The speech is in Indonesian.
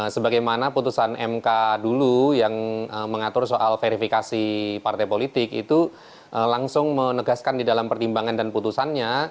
sebagaimana putusan mk dulu yang mengatur soal verifikasi partai politik itu langsung menegaskan di dalam pertimbangan dan putusannya